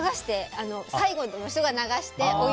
最後の人が流して。